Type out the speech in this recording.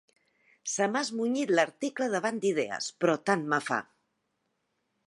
Se m'ha esmunyit l'article davant d'idees, però tant me fa.